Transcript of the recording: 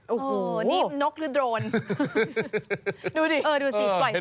โอ้โหนี่นกหรือโดรน